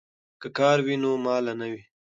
که کار وي نو ماله نه وي.